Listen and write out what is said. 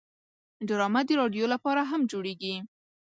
ډرامه د رادیو لپاره هم جوړیږي